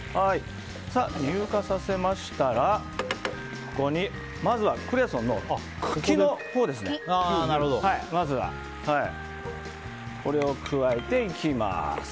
乳化させましたらここにまずはクレソンの茎をこれを加えていきます。